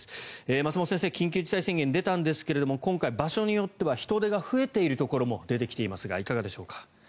松本先生緊急事態宣言が出ましたが今回、場所によっては人出が増えているところも出てきていますがいかがでしょうか。